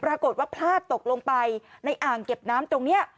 ปรากฏว่าพลาดตกลงไปในอ่างเก็บน้ำตรงนี้